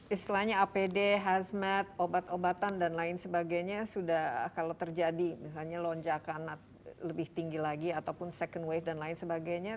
istilahnya apd hazmat obat obatan dan lain sebagainya sudah kalau terjadi misalnya lonjakan lebih tinggi lagi ataupun second wave dan lain sebagainya